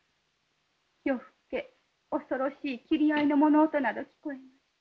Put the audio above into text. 夜更け恐ろしい斬り合いの物音など聞こえます。